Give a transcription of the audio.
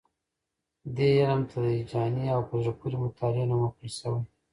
دې علم ته د هیجاني او په زړه پورې مطالعې نوم ورکړل شوی.